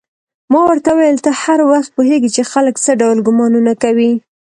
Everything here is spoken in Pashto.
ما ورته وویل: ته هر وخت پوهېږې چې خلک څه ډول ګومانونه کوي؟